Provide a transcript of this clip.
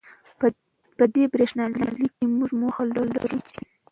په دې برېښنالیک کې، موږ موخه لرو چې